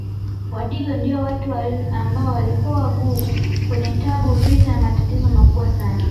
Wadigo ndio watu ambao walikuwa wagumu wenye tabu vita na matatizo makubwa sana